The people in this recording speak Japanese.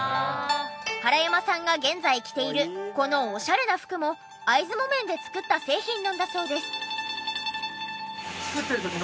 原山さんが現在着ているこのオシャレな服も会津木綿で作った製品なんだそうです。